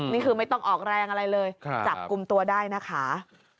นี่คือไม่ต้องออกแรงอะไรเลยจับกลุ่มตัวได้นะคะ